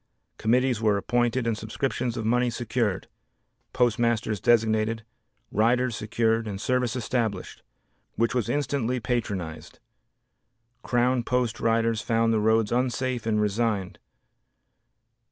Committees were appointed and subscriptions of money secured, postmasters designated, riders secured and service established, which was instantly patronized. Crown post riders found the roads unsafe and resigned.